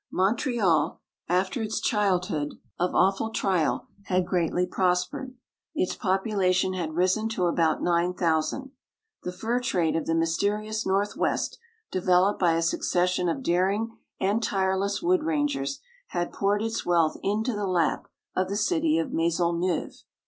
Montreal, after its childhood of awful trial, had greatly prospered. Its population had risen to about nine thousand. The fur trade of the mysterious Northwest, developed by a succession of daring and tireless wood rangers, had poured its wealth into the lap of the city of Maisonneuve.